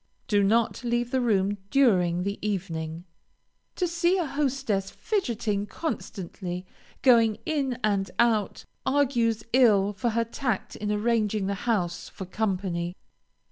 Do not leave the room during the evening. To see a hostess fidgeting, constantly going in and out, argues ill for her tact in arranging the house for company.